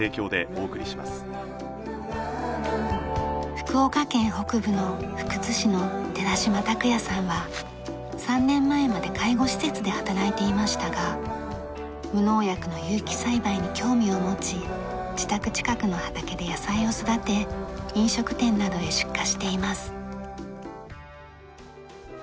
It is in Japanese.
福岡県北部の福津市の寺嶋拓哉さんは３年前まで介護施設で働いていましたが無農薬の有機栽培に興味を持ち自宅近くの畑で野菜を育て飲食店などへ出荷しています。